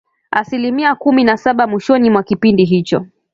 asilimia kumi na saba mwishoni mwa kipindi hicho